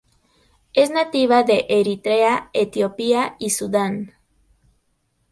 Es nativa de Eritrea, Etiopía y Sudán.